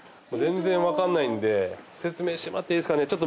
全然わからないんで説明してもらっていいですかね？